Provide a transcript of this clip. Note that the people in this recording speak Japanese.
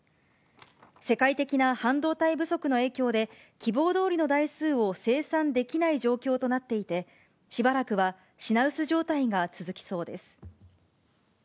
世界的な半導体不足の影響で、希望どおりの台数を生産できない状況となっていて、しばらくは品薄状態が続きそうです。